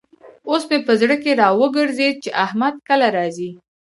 اوس مې په زړه کې را وګرزېد چې احمد کله راځي.